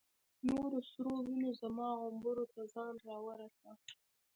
نورو سرو وینو زما غومبورو ته ځان را ورساوه.